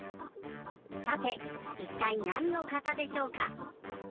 さていったいなんの型でしょうか？